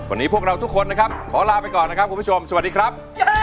วันนี้พวกเราทุกคนนะครับขอลาไปก่อนนะครับคุณผู้ชมสวัสดีครับ